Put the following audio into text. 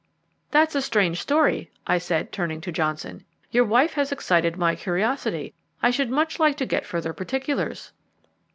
"That's a strange story," I said, turning to Johnson; "your wife has excited my curiosity. I should much like to get further particulars."